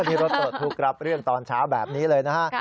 นี่รถปลดทุกข์รับเรื่องตอนเช้าแบบนี้เลยนะฮะ